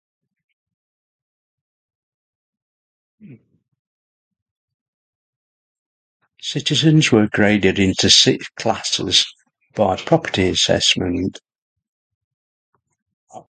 Citizens were graded into six classes by property assessment.